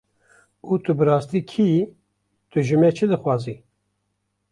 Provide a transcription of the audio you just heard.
Û tu bi rastî kî yî, tu ji me çi dixwazî?